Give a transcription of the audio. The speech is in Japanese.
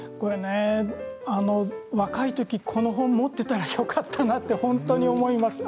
若い時にこの本を持っていたらって本当に思います。